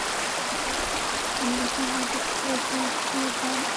তিনি Dhaka medical college হাসপাতালের burn and plastic surgery বিভাগের পরামর্শক সার্জন।